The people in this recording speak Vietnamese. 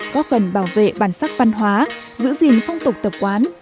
có phần bảo vệ bản sắc văn hóa giữ gìn phong tục tập quán